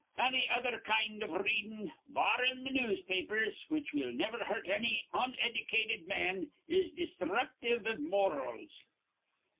Anny other kind iv r readin', barrin' th' newspapers, which will niver hurt anny onedycated man, is desthructive iv morals.